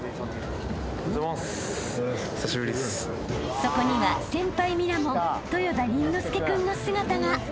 ［そこには先輩ミラモン豊田倫之亮君の姿が］